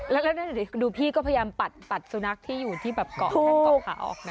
แล้วดูพี่ก็พยายามปัดสุนัขที่อยู่ที่แบบเกาะแท่งเกาะขาออกนะ